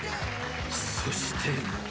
そして。